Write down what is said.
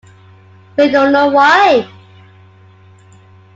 We don't know why.